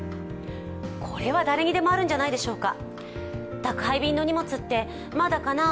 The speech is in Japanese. これは誰にでもあるんじゃないでしょうか。